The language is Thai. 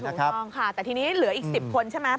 ถูกต้องค่ะแต่ทีนี้เหลืออีก๑๐คนใช่ไหม